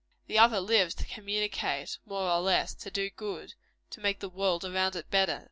The other lives to communicate, more or less to do good to make the world around it better.